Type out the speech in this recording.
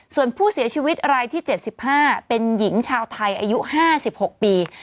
ส่วนผู้เสียชีวิตรายที่๗๕เป็นหญิงชาวไทยอายุ๕๖ปี